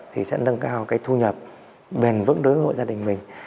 thì sẽ nâng cao cái thu nhập bền vững đối với hộ gia đình mình